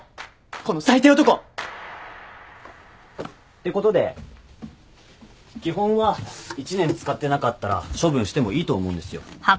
てことで基本は１年使ってなかったら処分してもいいと思うんですよ。